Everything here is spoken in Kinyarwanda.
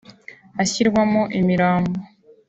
ashyrwamo imirambo